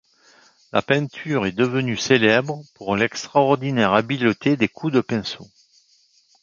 La peinture est devenue célèbre pour l'extraordinaire habileté des coups de pinceau.